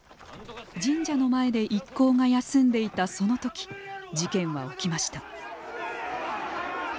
神社の前で一行が休んでいたその時、事件は起きました。